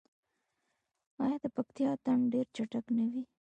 آیا د پکتیا اتن ډیر چټک نه وي؟